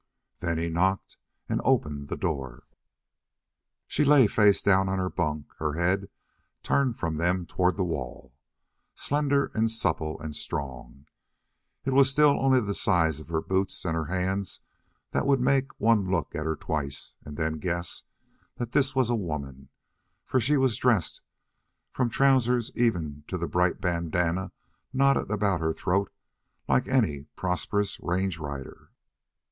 Then he knocked and opened the door. She lay face down on her bunk, her head turned from them toward the wall. Slender and supple and strong, it was still only the size of her boots and her hands that would make one look at her twice and then guess that this was a woman, for she was dressed, from trousers even to the bright bandanna knotted around her throat, like any prosperous range rider.